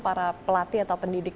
para pelatih atau pendidik